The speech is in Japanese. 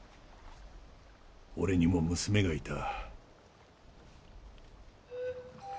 俺にも娘がいた。